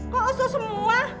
kok usus semua